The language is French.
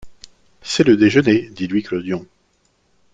C’est le déjeuner, dit Louis Clodion.